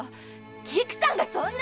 菊さんがそんな！